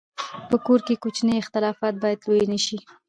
په کور کې کوچني اختلافات باید لوی نه شي.